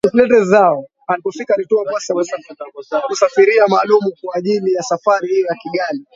Alipofika alitoa pasi ya kusafiria maalumu kwaajili ya safari hiyo ya Kigali